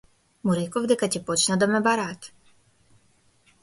Му реков дека ќе почнат да ме бараат.